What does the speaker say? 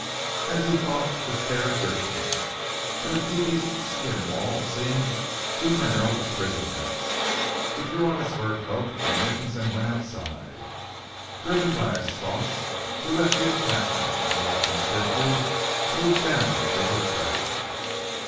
As he thought despair gripped him, and the tepee's skin walls seemed too narrow a prison house. He threw on his fur coat and mittens and went outside. Driven by his thoughts, he left the encampment, and, walking stiffly, moved down the river trail.